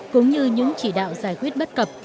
cũng như những chỉ đạo giải quyết bất cập